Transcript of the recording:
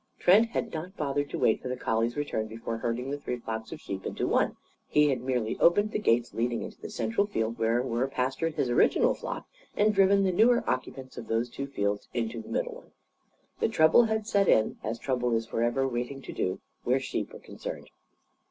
Trent had not bothered to wait for the collie's return before herding the three flocks of sheep into one. He had merely opened the gates leading into the central field where were pastured his original flock, and had driven the newer occupants of those two fields into the middle one. Then trouble had set in as trouble is forever waiting to do, where sheep are concerned.